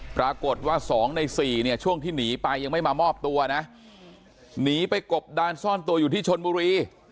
ปรากฏว่า๒ใน๔เนี่ยช่วงที่หนีไปยังไม่มามอบตัวนะหนีไปกบดานซ่อนตัวอยู่ที่ชนบุรี